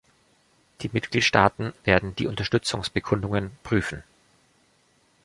Die Mitgliedstaaten werden die Unterstützungsbekundungen prüfen.